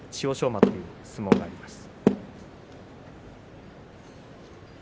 馬という相撲があります。